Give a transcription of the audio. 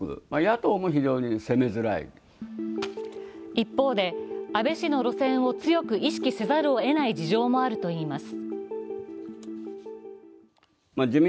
一方で安倍氏の路線を強く意識せざるを得ない事情もあるといいます。